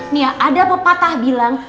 nih ya ada pepatah bilang